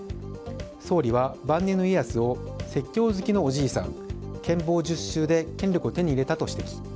総理は晩年の家康を説教好きのおじいさん権謀術数で権力を手に入れたと指摘。